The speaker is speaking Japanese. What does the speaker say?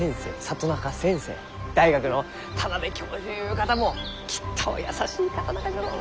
大学の田邊教授ゆう方もきっとお優しい方ながじゃろう！